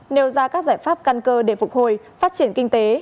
nêu ra các giải pháp căn cơ để phục hồi phát triển kinh tế